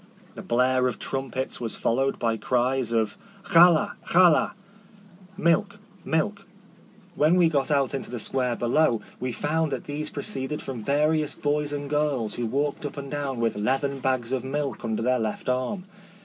The blare of trumpets was followed by cries of yaXa, ya\a ("milk," "milk"): when we got out into the square 570 A Ride across the Peloponnese. [May below we found that these pro ceeded from various boys and girls who walked up and down with leathern bags of milk under their left arm.